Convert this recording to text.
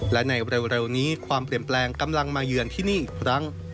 และในเร็วนี้ความเปลี่ยนแปลงกำลังมาเยือนที่นี่อีกครั้ง